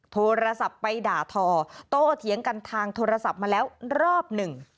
โทรศัพท์ไปด่าทอโตเถียงกันทางโทรศัพท์มาแล้วรอบหนึ่ง